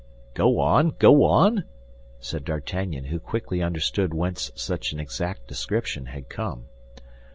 "Go on, go on!" said D'Artagnan, who quickly understood whence such an exact description had come.